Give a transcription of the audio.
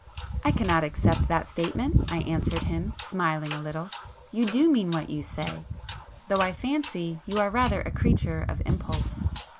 "I cannot accept that statement"—I answered him, smiling a little—"You do mean what you say,—though I fancy you are rather a creature of impulse."